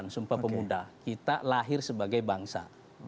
sumpah pemuda kita lahir sebagai bangsa